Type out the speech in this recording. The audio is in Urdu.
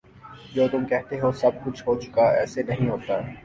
جو تم کہتے ہو سب کچھ ہو چکا ایسے نہیں ہوتا